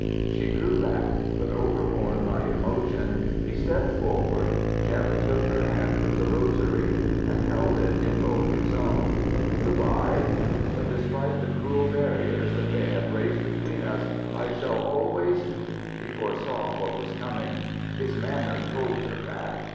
She drew back, but, overborne by emotion, he stepped forward, gently took her hand from the rosary, and held it in both his own. "Good bye! But, despite the cruel barriers that they have raised between us, I shall always " She foresaw what was coming. His manner told her that.